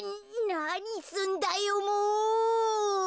なにすんだよもう！